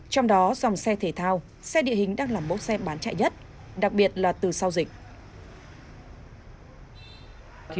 trong đó dòng xe thể thao xe địa hình đang làm mẫu xe bán chạy nhất đặc biệt là từ sau dịch